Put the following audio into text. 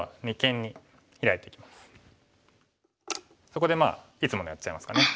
そこでいつものやっちゃいますかね。